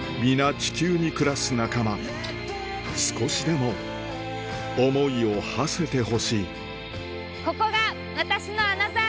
地球に暮らす仲間少しでも思いをはせてほしいここが私のアナザー